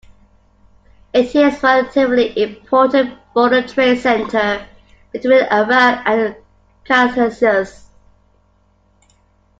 It is a relatively important border trade center between Iran and the Caucasus.